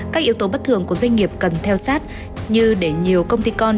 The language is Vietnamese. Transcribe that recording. các yếu tố bất thường của doanh nghiệp cần theo sát như để nhiều công ty con